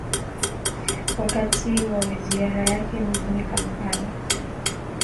wakati wa ziara yake mjini kampala